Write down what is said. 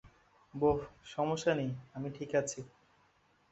বোহ, সমস্যা নেই, আমি ঠিক আছি।